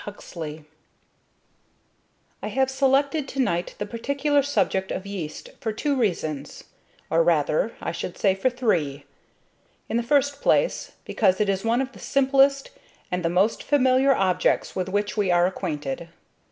Huxley I HAVE selected to night the particular subject of Yeast for two reasons or, rather, I should say for three. In the first place, because it is one of the simplest and the most familiar objects with which we are acquainted.